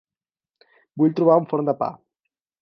Vull trobar un forn de pa.